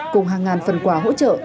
cùng hàng ngàn phần quà hỗ trợ